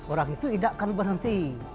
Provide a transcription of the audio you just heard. orang itu tidak kami berhenti